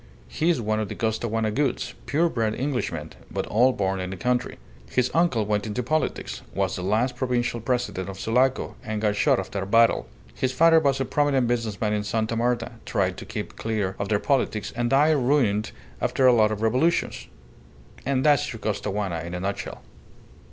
He's one of the Costaguana Goulds, pure bred Englishmen, but all born in the country. His uncle went into politics, was the last Provincial President of Sulaco, and got shot after a battle. His father was a prominent business man in Sta. Marta, tried to keep clear of their politics, and died ruined after a lot of revolutions. And that's your Costaguana in a nutshell."